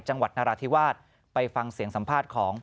จังหวัดนาราธิวาสไปฟังเสียงสัมภาษณ์ของ